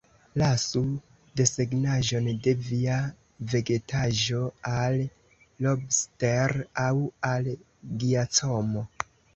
Lasu desegnaĵon de via vegetaĵo al Lobster aŭ al Giacomo.